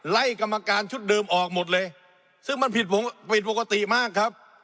กรรมการชุดเดิมออกหมดเลยซึ่งมันผิดวงผิดปกติมากครับ